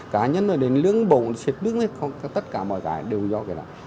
cá nhân là đến lưỡng bụng xịt nước tất cả mọi cái đều do cái này